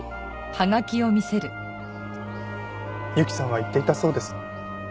由紀さんは言っていたそうです。